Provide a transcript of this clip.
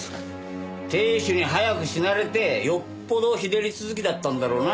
亭主に早く死なれてよっぽど日照り続きだったんだろうな。